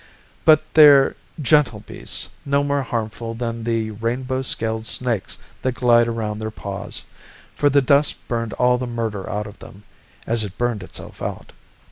But they're gentle beasts, no more harmful than the rainbow scaled snakes that glide around their paws, for the dust burned all the murder out of them, as it burned itself out.